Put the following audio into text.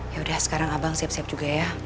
ya udah sekarang abang siap siap juga ya